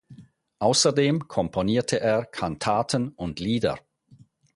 Außerdem komponierte er Kantaten und Lieder.